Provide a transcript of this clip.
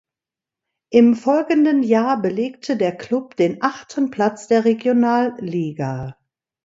Im folgenden Jahr belegte der Club den achten Platz der Regionalliga.